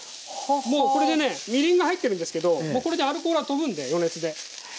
もうこれでねみりんが入ってるんですけどもうこれでアルコールはとぶんで余熱で。